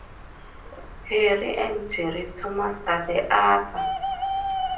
Harry and Jeri Thomas are the other.